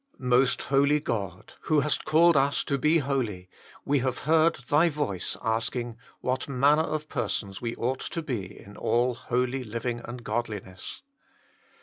Most Holy God ! who hast called us to be holy, we have heard Thy voice asking, What manner of persons we ought to be in all holy living and godli ness